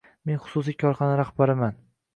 Men xususiy korxona rahbariman